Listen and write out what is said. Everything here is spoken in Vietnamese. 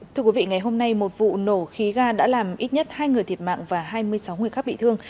thưa quý vị ngày hôm nay một vụ nổ khí ga đã làm ít nhất hai người thiệt mạng và hai mươi sáu người khác bị thương